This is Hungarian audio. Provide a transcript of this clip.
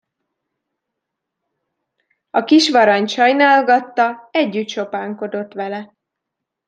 A kisvarangy sajnálgatta, együtt sopánkodott vele.